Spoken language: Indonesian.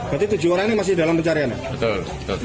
berarti tujuh orang ini masih dalam pencarian ya